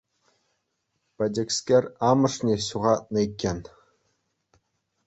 Пӗчӗкскер амӑшне ҫухатнӑ иккен.